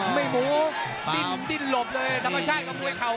ไม่หมูดิ้นดิ้นหลบเลย